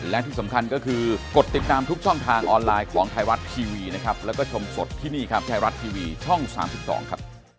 และที่สำคัญก็คือกดติดตามทุกช่องทางออนไลน์ของไทยรัฐทีวีนะครับแล้วก็ชมสดที่นี่ครับไทยรัฐทีวีช่อง๓๒ครับ